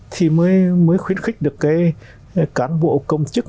thì mới khuyến khích được cái cán bộ công chức